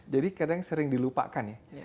jadi kadang sering dilupakan ya